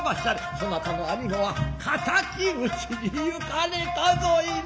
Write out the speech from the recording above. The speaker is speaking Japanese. そなたの兄御は敵討ちにゆかれたぞいの。